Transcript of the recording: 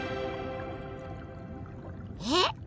えっ？